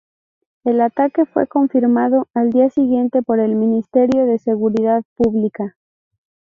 El ataque fue confirmado al día siguiente por el Ministerio de Seguridad Pública.